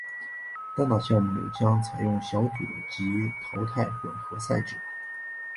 单打项目将采用小组及淘汰混合赛制。